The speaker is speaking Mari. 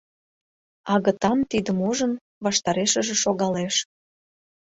Агытан, тидым ужын, ваштарешыже шогалеш.